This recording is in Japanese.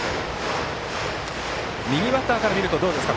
右バッターから見るとどうですか